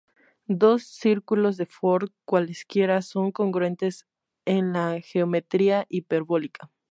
Dos círculos de Ford cualesquiera son congruentes en la geometría hiperbólica.